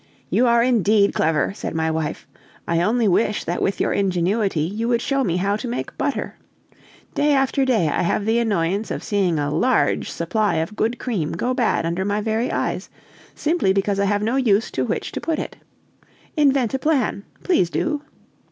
"You are indeed clever," said my wife; "I only wish that with your ingenuity you would show me how to make butter. Day after day I have the annoyance of seeing a large supply of good cream go bad under my very eyes, simply because I have no use to which to put it. Invent a plan, please do."